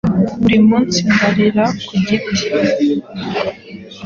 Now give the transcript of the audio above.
Buri munsi ndarira ku giti,